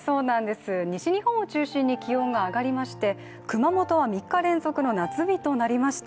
西日本を中心に気温が上がりまして熊本は３日連続の夏日となりました。